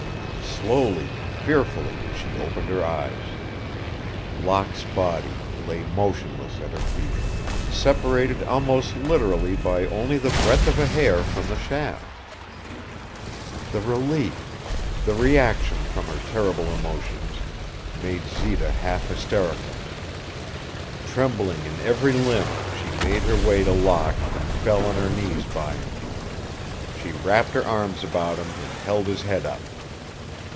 Slowly, fearfully, she opened her eyes. Locke's body lay motionless at her feet, separated almost literally by only the breadth of a hair from the shaft. The relief, the reaction from her terrible emotions, made Zita half hysterical. Trembling in every limb, she made her way to Locke and fell on her knees by him. She wrapped her arms about him and held his head up.